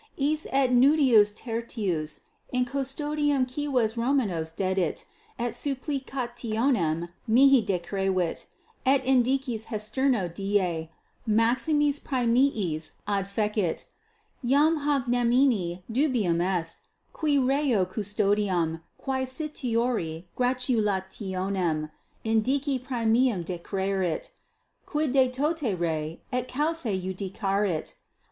Is et nudius tertius in custodiam cives Romanos dedit et supplicationem mihi decrevit et indices hesterno die maximis praemiis adfecit. Iam hoc nemini dubium est, qui reo custodiam, quaesitori gratulationem, indici praemium decrerit, quid de tota re et causa iudicarit.